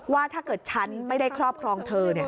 ว่าถ้าเกิดฉันไม่ได้ครอบครองเธอ